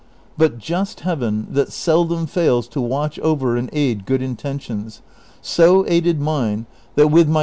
But just Heaven, that seldom fails to watch over and aid good intentions, so aided mine that with ni}' » Prov.